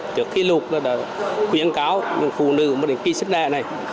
trước khi lụt khuyến cáo những phụ nữ những kỳ xích đẹp này